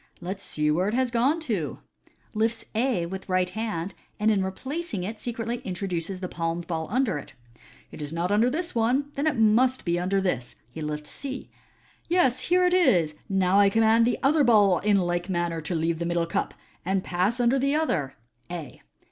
" Let us see where it has gone to " (lifts A with right hand, and in replacing it secretly intro duces the palmed ball under it). " It is not under this one. Then it must be under this." He lifts C. " Yes, bere it is. Now I com mand the other ball in like manner to leave the middle cup, and pas9 tinder the other (A).